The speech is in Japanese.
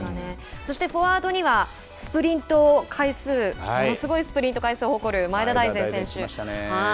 そしてフォワードにはスプリント回数、ものすごいスプリント回数を誇る前田大然選手。